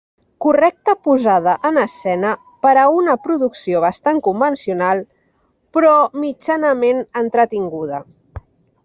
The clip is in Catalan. Correcta posada en escena per a una producció bastant convencional, però mitjanament entretinguda.